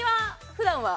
普段は？